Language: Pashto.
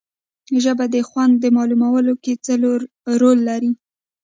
ژبه د خوند په معلومولو کې څه رول لري